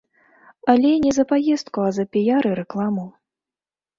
Але не за паездку, а за піяр і рэкламу.